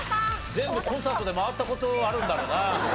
全部コンサートで回った事あるんだろうな。